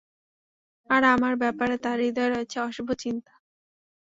আর আমার ব্যাপারে তার হৃদয়ে রয়েছে অশুভ চিন্তা।